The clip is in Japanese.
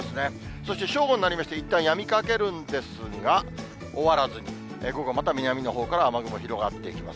そして正午になりまして、いったんやみかけるんですが、終わらず、午後また南のほうから雨雲広がっていきます。